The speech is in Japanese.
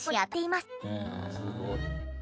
すごい。